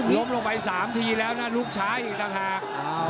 ลมลงไป๓ทีแล้วนะลูกชายจนหัก